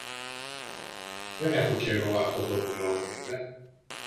Δεν έχω καιρό, αρχοντόπουλο μου, είπε.